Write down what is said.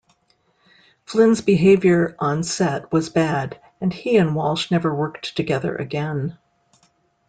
Flynn's behavior on set was bad and he and Walsh never worked together again.